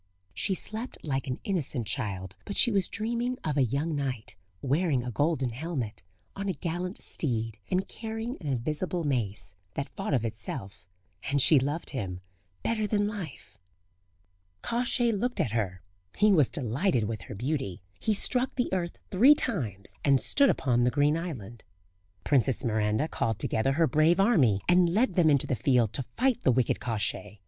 She slept like an innocent child, but she was dreaming of a young knight, wearing a golden helmet, on a gallant steed, and carrying an invisible mace, that fought of itself; ... and she loved him better than life. Kosciey pronounced Kósh che eh, literally "Boney." Kosciey looked at her; he was delighted with her beauty; he struck the earth three times, and stood upon the green island. Princess Miranda called together her brave army, and led them into the field, to fight the wicked Kosciey.